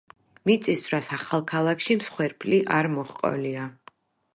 მიწისძვრას ახალქალაქში მსხვერპლი არ მოჰყოლია.